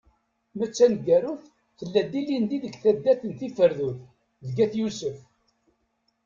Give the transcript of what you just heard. Ma d taneggarut, tella-d ilindi deg taddart n Tiferdud deg At Yusef.